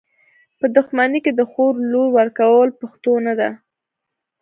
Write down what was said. په دښمني کي د خور لور ورکول پښتو نده .